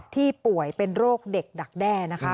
ป่วยเป็นโรคเด็กดักแด้นะคะ